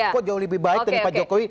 kok jauh lebih baik dari pak jokowi